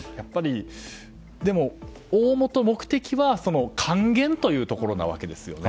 でも、大元の目的は還元というところなわけですよね。